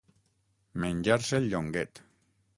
Menjar-se el llonguet.